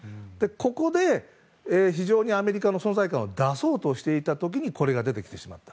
ここで、非常にアメリカの存在感を出そうとしていた時にこれが出てきてしまった。